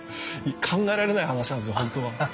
考えられない話なんですよ本当は。